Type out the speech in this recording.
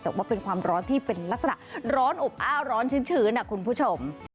แต่ว่าเป็นความร้อนที่เป็นลักษณะร้อนอบอ้าวร้อนชื้นคุณผู้ชม